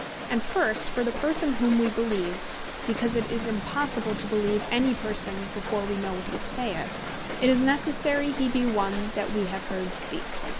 And first, for the Person whom we beleeve, because it is impossible to beleeve any Person, before we know what he saith, it is necessary he be one that wee have heard speak.